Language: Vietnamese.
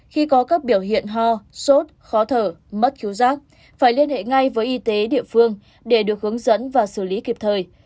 khi có các biểu hiện ho sốt khó thở mất chú rác phải liên hệ ngay với y tế địa phương để được hướng dẫn và xử lý kịp thời